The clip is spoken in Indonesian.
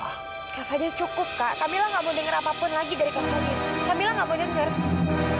kak fadil cukup kak kak mila gak mau denger apapun lagi dari kak fadil